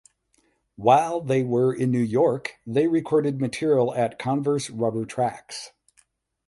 While they were in New York they recorded material at Converse Rubber Tracks.